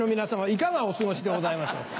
いかがお過ごしでございましょう。